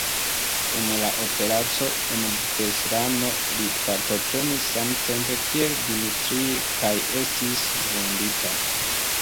En la operaco en Beslano li partoprenis samtempe kiel Dmitrij kaj estis vundita.